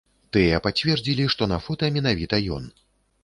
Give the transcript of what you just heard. Тыя пацвердзілі, што на фота менавіта ён.